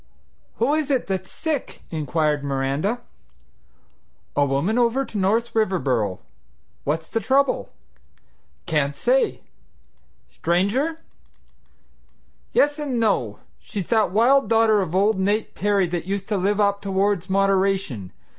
"Who is it that's sick?" inquired Miranda. "A woman over to North Riverboro." "What's the trouble?" "Can't say." "Stranger?' "Yes, and no; she's that wild daughter of old Nate Perry that used to live up towards Moderation.